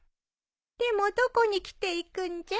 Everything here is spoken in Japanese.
でもどこに着ていくんじゃ？